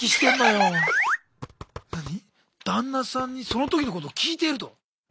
ダンナさんにその時のこと聞いてると。